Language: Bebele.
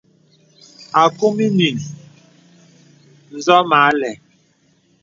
Akūm ìyìŋ ǹsɔ̀ mə àlɛ̂.